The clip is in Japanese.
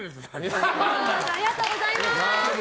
ありがとうございます！